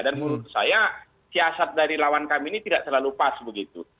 dan menurut saya siasat dari lawan kami ini tidak selalu pas begitu